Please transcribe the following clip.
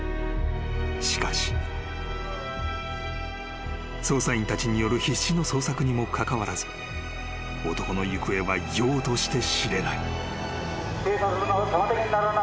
［しかし］［捜査員たちによる必死の捜索にもかかわらず男の行方はようとして知れない］